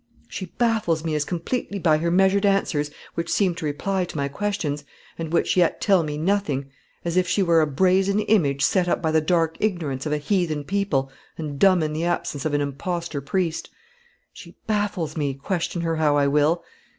She baffles me as completely by her measured answers, which seem to reply to my questions, and which yet tell me nothing, as if she were a brazen image set up by the dark ignorance of a heathen people, and dumb in the absence of an impostor priest. She baffles me, question her how I will.